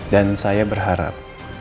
dan saya berharap